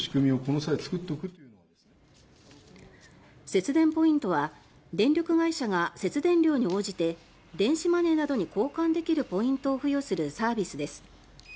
節電ポイントは電力会社が節電量に応じて電子マネーなどに交換できるポイントを付与するサービスです。